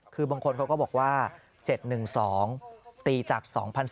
คือบางคนเขาก็บอกว่า๗๑๒ตีจาก๒๐๑๘